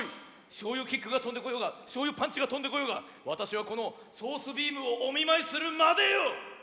しょうゆキックがとんでこようがしょうゆパンチがとんでこようがわたしはこのソースビームをおみまいするまでよ！